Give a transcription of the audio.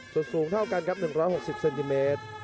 ส่วนสูงเท่ากันครับ๑๖๐เซนติเมตร